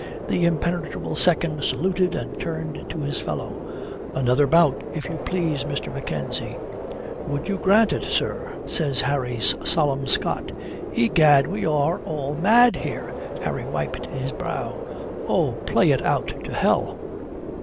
The impenetrable second saluted and turned to his fellow. "Another bout, if you please, Mr. Mackenzie." "Would you grant it, sir?" says Harry's solemn Scot. "Egad, we are all mad here," Harry wiped his brow. "Oh, play it out to hell."